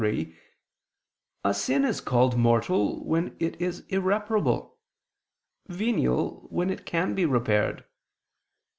3), a sin is called mortal when it is irreparable, venial when it can be repaired.